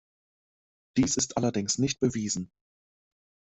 Dies ist allerdings nicht bewiesen.